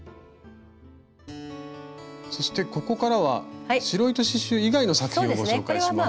そしてここからは白糸刺しゅう以外の作品をご紹介します。